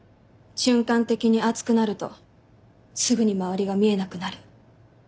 瞬間的に熱くなるとすぐに周りが見えなくなる。